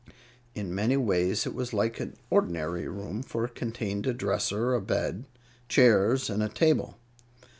In many ways it was like an ordinary room, for it contained a dresser, a bed, chairs and a table.